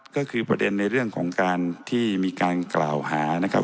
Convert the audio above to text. ก็คือประเด็นในเรื่องของการที่มีการกล่าวหานะครับ